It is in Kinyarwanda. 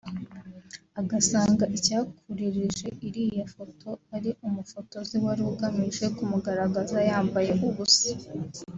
agasanga icyakuririje iriya foto ari umufotozi wari ugamije kumugaragaza yambaye ubusa